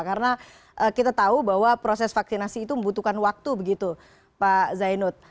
karena kita tahu bahwa proses vaksinasi itu membutuhkan waktu begitu pak zainud